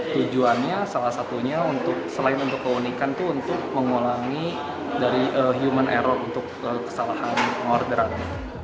tujuannya salah satunya selain untuk keunikan itu untuk mengulangi dari human error untuk kesalahan orderan